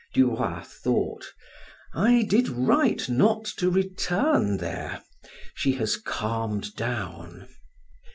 Du Roy thought: "I did right not to return there. She has calmed down."